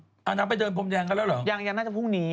อ่าน้น่าจะไปเดินโพมแดงกันแล้วเหรอยังยังน่าจะพรุ่งนี้